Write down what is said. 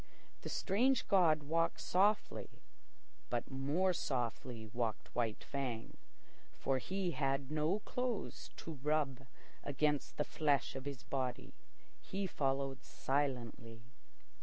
The strange god walked softly, but more softly walked White Fang, for he had no clothes to rub against the flesh of his body. He followed silently.